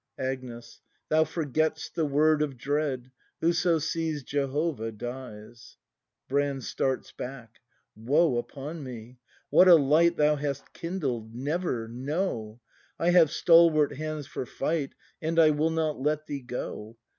Agnes. Thou forget'st the word of dread: Whoso sees Jehovah dies! Brand. [Starts back.] Woe upon me! What a light Thou hast kindled! Never! No! I have stalwart hands for fight, And I will not let thee go!